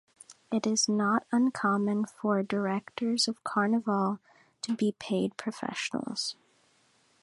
It is not uncommon for directors of Carnival to be paid professionals.